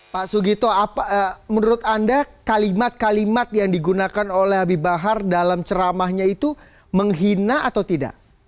pak sugito menurut anda kalimat kalimat yang digunakan oleh habib bahar dalam ceramahnya itu menghina atau tidak